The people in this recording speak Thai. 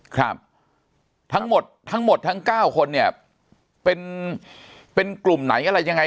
ครับทั้งหมดทั้ง๙คนเนี่ยเป็นกลุ่มไหนอะไรยังไง